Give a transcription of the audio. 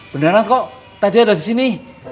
beneran kok tadi ada di sini